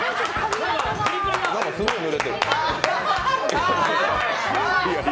なんかすごいぬれてる。